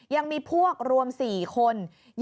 ยังมีพวกรวม๔คน